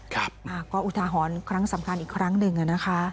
ก็อุทหรณ์ครั้งสำคัญอีกครั้งหนึ่งนะคะ